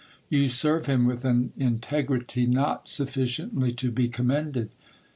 You serve him with an in tegrity not sufficiently to be commended.